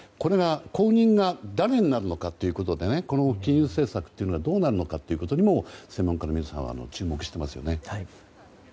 後任が誰になるのかということで金融政策というのがどうなるのかにも専門家の皆さんは注目していますよね。